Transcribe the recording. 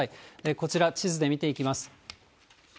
こちら、地図で見ていきます。